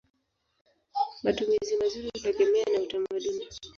Matumizi mazuri hutegemea na utamaduni.